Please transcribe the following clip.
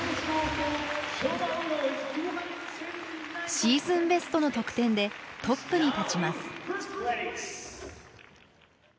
シーズンベストの得点でトップに立ちます。